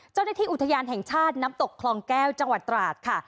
เจ้าหน้าที่อุทยานแห่งชาติน้ำตกคลองแก้วจังหวัดตราดค่ะ